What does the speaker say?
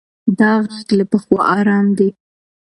دا غږ له پخوا ارام دی.